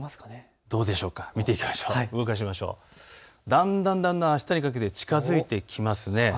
だんだんあしたにかけて近づいてきます。